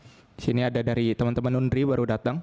di sini ada dari teman teman undri baru datang